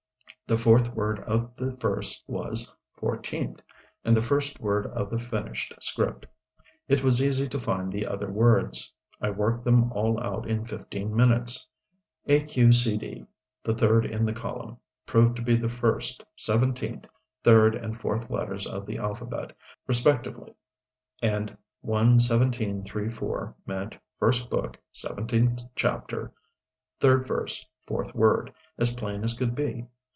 The fourth word of the verse was fourteenth and the first word of the finished script. It was easy to find the other words. I worked them all out in fifteen minutes. "Aqcd," the third in the column, proved to be the first, seventeenth, third, and fourth letters of the alphabet, respectively, and 1 17 3 4 meant first book, seventeenth chapter, third verse, fourth word, as plain as could be.